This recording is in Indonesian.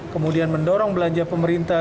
kemudian mendorong belanja pemerintah